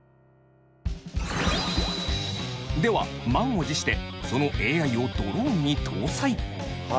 では満を持してそのＡＩをドローンに搭載。